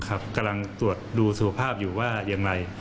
กำลังตรวจดูสุขภาพอยู่ว่าอย่างไร